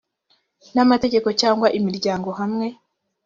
n amategeko cyangwa imiryango hamwe